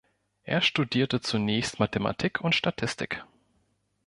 Er studierte zunächst Mathematik und Statistik.